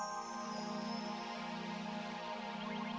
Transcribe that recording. udah tanya tapi